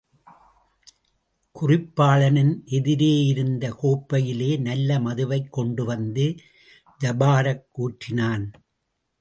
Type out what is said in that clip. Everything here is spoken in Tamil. குறிப்பாளனின் எதிரேயிருந்த கோப்பையிலே நல்ல மதுவைக் கொண்டுவந்து ஜபாரக் ஊற்றினான்.